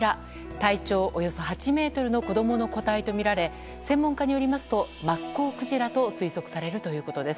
体長およそ８ｍの子供の個体とみられ専門家によりますとマッコウクジラと推測されるということです。